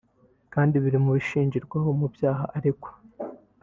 kandi biri mu bishingirwaho mu byaha aregwa